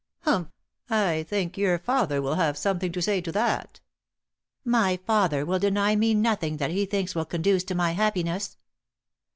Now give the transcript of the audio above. "Humph! I think your father will have something to say to that." "My father will deny me nothing that he thinks will conduce to my happiness."